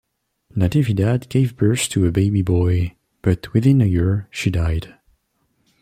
Natividad gave birth to a baby boy, but within a year she died.